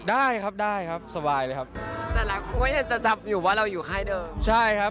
ได้ครับได้ครับสบายเลยครับแต่หลายคนก็ยังจะจับอยู่ว่าเราอยู่ค่ายเดิมใช่ครับ